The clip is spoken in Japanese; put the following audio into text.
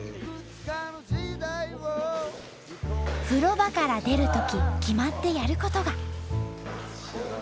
風呂場から出るとき決まってやることが。